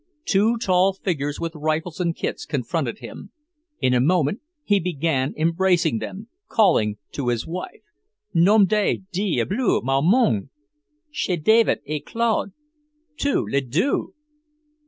Two tall figures with rifles and kits confronted him. In a moment he began embracing them, calling to his wife: "Nom de diable, Maman, c'est David, David et Claude, tous les deux!"